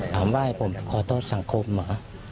ผมไหว้ผมขอโทษสังคมเหรอ